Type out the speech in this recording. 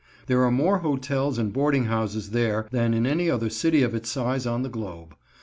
There are more hotels and boarding houses there than in any other city of its size on the globe.